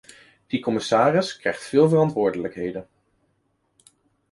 Die commissaris krijgt veel verantwoordelijkheden.